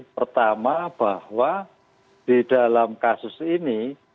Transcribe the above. pertama bahwa di dalam kasus ini